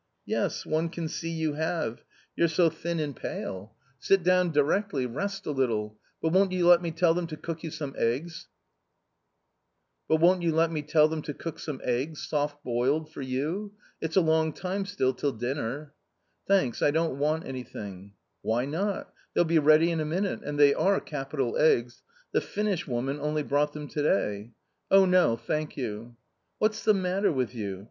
" Yes, one can see you have ; you're so thin and pale 1 no A COMMON STORY Sit down directly, rest a little ; but won't you let me tell them to cook some eggs, soft boiled, for you ? it's a long time still till dinner." " Thanks, I don't want anything." " Why not ? they'll be ready in a minute ; and they are capital eggs; the Finnish woman only brought them to day." " Oh, no, thank you." " What's the matter with you